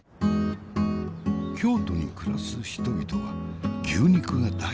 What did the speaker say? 京都に暮らす人々は牛肉が大好きだそうな。